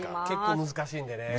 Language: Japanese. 結構難しいんだよね。